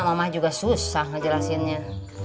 mama juga susah ngejelasinnya